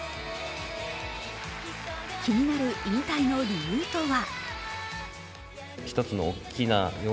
気になる引退の理由とは？